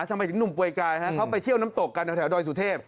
ทำไมถึงหนุ่มเปลือยกายเขาไปเที่ยวน้ำตกกันแถวดอยสุเทพ